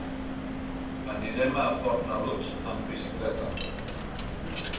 Anirem a Fornalutx amb bicicleta.